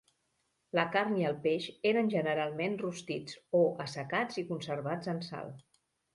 La carn i el peix eren generalment rostits, o assecats i conservats en sal.